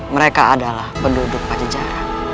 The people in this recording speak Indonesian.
mereka adalah penduduk pajajara